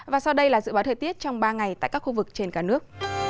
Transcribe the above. và sau đây là dự báo thời tiết trong ba ngày tại các khu vực trên cả nước